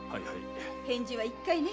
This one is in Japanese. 返事は一回ね！